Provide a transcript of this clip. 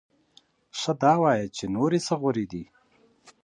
ښه دا ووایه چې نورې څه غورې دې؟